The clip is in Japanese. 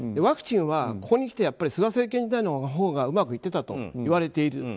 ワクチンはここにきて菅政権時代のほうがうまくいってたといわれている。